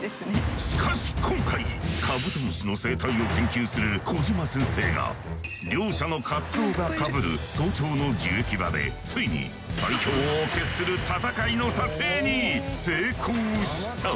しかし今回カブトムシの生態を研究する小島先生が両者の活動がかぶる早朝の樹液場でついに最強を決する戦いの瞬間の撮影に成功した。